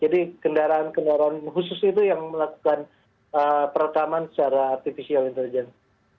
jadi kendaraan kendaraan khusus itu yang melakukan perekaman secara artificial intelligence